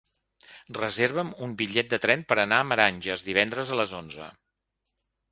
Reserva'm un bitllet de tren per anar a Meranges divendres a les onze.